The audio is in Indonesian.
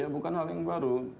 bukan hal yang baru